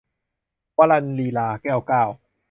วสันต์ลีลา - แก้วเก้า